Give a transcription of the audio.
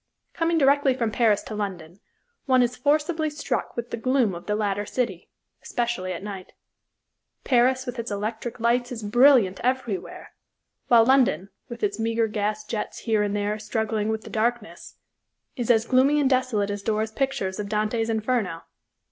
Coming directly from Paris to London, one is forcibly struck with the gloom of the latter city, especially at night. Paris with its electric lights is brilliant everywhere, while London, with its meager gas jets here and there struggling with the darkness, is as gloomy and desolate as Dore's pictures of Dante's Inferno.